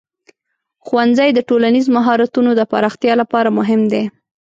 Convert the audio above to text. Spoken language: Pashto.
ښوونځی د ټولنیز مهارتونو د پراختیا لپاره مهم دی.